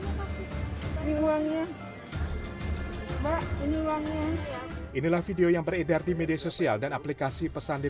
ini uangnya cuma inilah video yang beredar di media sosial dan aplikasi pesan di